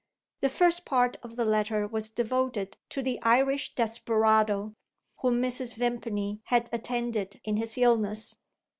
The first part of the letter was devoted to the Irish desperado, whom Mrs. Vimpany had attended in his illness.